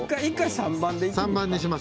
３番にします。